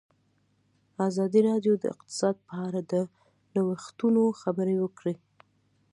ازادي راډیو د اقتصاد په اړه د نوښتونو خبر ورکړی.